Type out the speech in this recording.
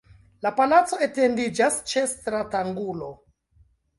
La palaco etendiĝas ĉe stratangulo.